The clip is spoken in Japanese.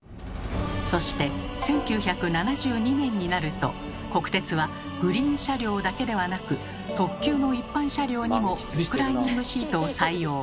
そして１９７２年になると国鉄はグリーン車両だけではなく特急の一般の車両にもリクライニングシートを採用。